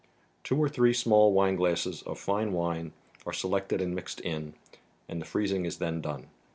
Two or three small wineglasses of fine wine are selected and mixed in, and the freezing is then done.